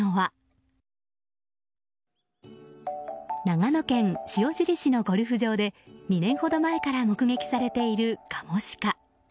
長野県塩尻市のゴルフ場で２年ほど前から目撃されているカモシカ。